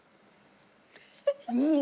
いいね。